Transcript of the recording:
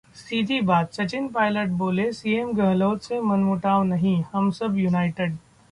सीधी बात: सचिन पायलट बोले- सीएम गहलोत से मनमुटाव नहीं, हम सब यूनाइटेड